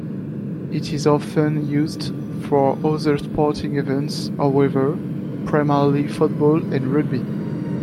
It is often used for other sporting events however - primarily football and rugby.